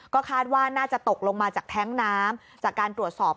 ก็คาดว่าน่าจะตกลงมาจากแท้งน้ำจากการตรวจสอบ